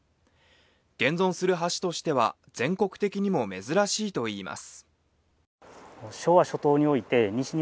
現存する橋としては全国的にも珍しいといいます。